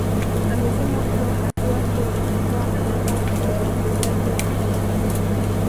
Amesema kuwa hatua hiyo inatoa alama kwa wawekezaji wa nje